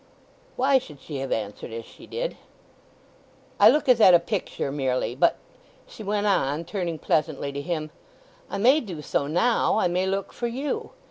Why should she have answered as she did? "I look as at a picture merely. But," she went on, turning pleasantly to him, "I may do so now—I may look for you.